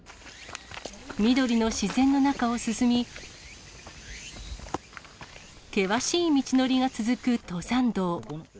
緑の自然の中を進み、険しい道のりが続く登山道。